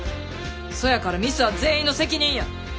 そやからミスは全員の責任や。